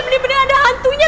bener bener ada hantunya